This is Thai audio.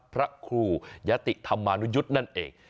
พระครูยะติธรรมานุยุทธ์นั่นเอง